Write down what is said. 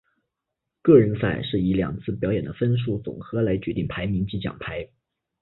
个人赛是以两次表演的分数总和来决定排名及奖牌。